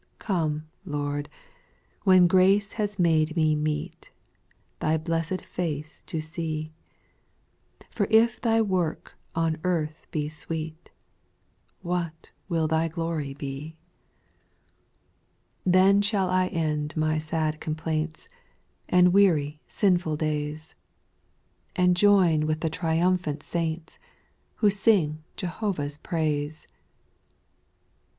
4. Come, Lord, when grace has made me meet Thy blessed face to see ; For if Thy work on earth be sweet, What will Thy glory be ? SPIRITUAL SONGS, 25 6. Then shall I end my sad complaints, And weary sinful days, And join with the triumphant saints, Who sing Jehovah's praise.